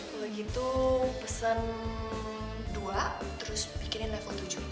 kalo gitu pesen dua terus bikinin level tujuh